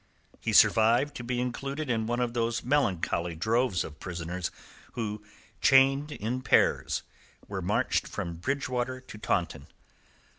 He survived to be included in one of those melancholy droves of prisoners who, chained in pairs, were marched from Bridgewater to Taunton.